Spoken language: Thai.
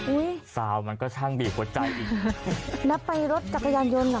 ซาวมันก็ช่างบีบหัวใจอีกแล้วไปรถจักรยานยนต์เหรอ